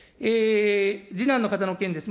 次男の方の件です。